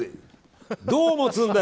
どうもつんだよ？